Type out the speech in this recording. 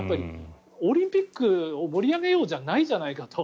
オリンピックを盛り上げようじゃないじゃないかと。